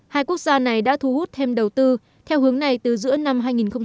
hai quốc gia này đã thu hút thêm đầu tư theo hướng này từ giữa năm hai nghìn một mươi